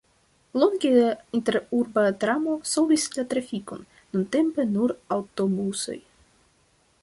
Longe interurba tramo solvis la trafikon, nuntempe nur aŭtobusoj.